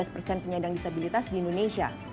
penyandang disabilitas di indonesia